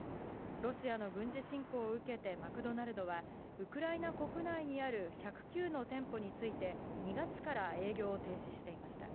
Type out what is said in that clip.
ロシアの軍事侵攻を受けてマクドナルドは、ウクライナ国内にある１０９の店舗について、２月から営業を停止していました。